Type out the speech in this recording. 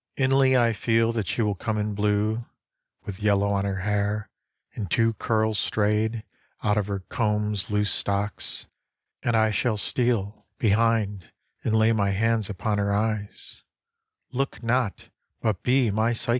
Inly I feel that she will come in blue, With yellow on her hair, and two curls strayed Out of her comb's loose stocks, and I shall steal Behind and lay my hands upon her eyes, " Look not, but be my Psyche